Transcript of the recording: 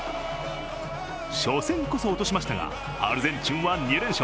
初戦こそ落としましたが、アルゼンチンは２連勝。